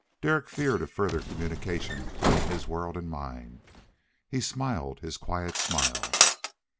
Derek feared a further communication between his world, and mine. He smiled his quiet smile.